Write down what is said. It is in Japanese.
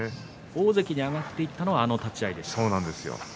大関に上がったのはあの立ち合いですね。